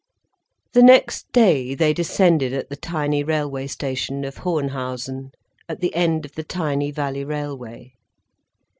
The next day, they descended at the tiny railway station of Hohenhausen, at the end of the tiny valley railway.